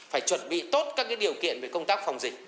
phải chuẩn bị tốt các điều kiện về công tác phòng dịch